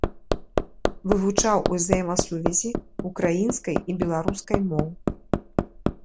Вывучаў узаемасувязі ўкраінскай і беларускай моў.